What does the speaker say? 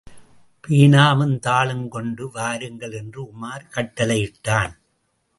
பேனாவும் தாளும் கொண்டு வாருங்கள் என்று உமார் கட்டளையிட்டான்.